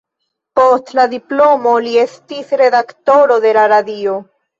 Post la diplomo li estis redaktoro de la Radio.